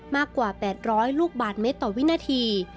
มากกว่า๘๐๐ลูกบาทเมตรต่อวินาที